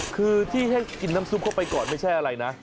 คือที่ให้กินน้ำซุปเข้าไปก่อนไม่ใช่อะไรนะ